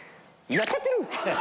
やっちゃってる！